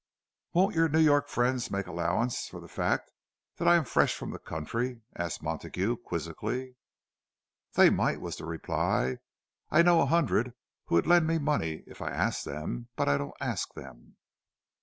"Won't your New York friends make allowance for the fact that I am fresh from the country?" asked Montague, quizzically. "They might," was the reply. "I know a hundred who would lend me money, if I asked them. But I don't ask them."